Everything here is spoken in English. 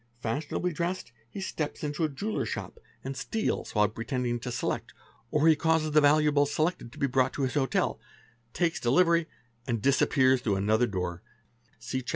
Fashionably dressed, he steps into a jeweller's shop and ste FALSE NAMES Sit while pretending to select, or he causes the valuables selected to be brought to his hotel, takes delivery, and disappears through another door (see Chap.